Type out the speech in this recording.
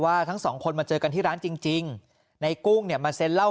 ทั้งสองคนมาเจอกันที่ร้านจริงจริงในกุ้งเนี่ยมาเซ็นเล่า